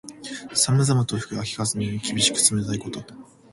寒々と吹く秋風のように、厳しく冷たいこと。